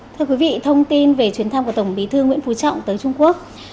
thưa quý vị thông tin về chuyến thăm của tổng bí thư nguyễn phú trọng tới trung quốc